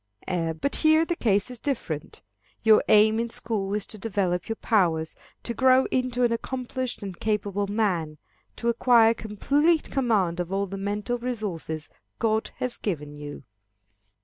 But here, the case is different. Your aim in school is to develop your powers, to grow into an accomplished and capable man, to acquire complete command of all the mental resources God has given you.